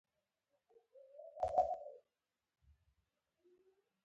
نیکه د خپلو خلکو په منځ کې په درناوي ژوند کوي.